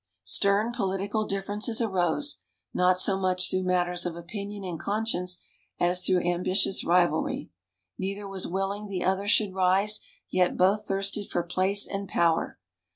Stern political differences arose, not so much through matters of opinion and conscience, as through ambitious rivalry. Neither was willing the other should rise, yet both thirsted for place and power.